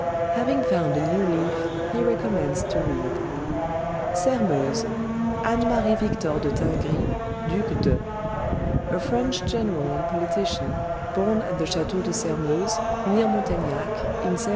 Having found a new leaf, he recommenced to read: "Sairmeuse (Anne Marie Victor de Tingry, Duc de). A French general and politician, born at the chateau de Sairmeuse, near Montaignac, in 1758.